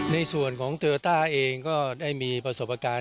ในส่วนของโยต้าเองก็ได้มีประสบการณ์